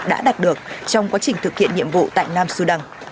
đã đạt được trong quá trình thực hiện nhiệm vụ tại nam sudan